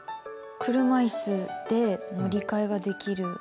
車いすで乗り換えができる。